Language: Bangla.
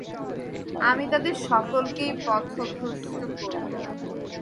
আমি তাদের সকলকেই পথভ্রষ্ট করব।